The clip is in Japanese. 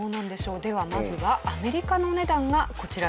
ではまずはアメリカのお値段がこちらです。